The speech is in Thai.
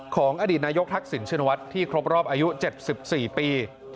ของอดีตนายกทักษิณชินวัฒน์ที่ครบรอบอายุ๗๔ปี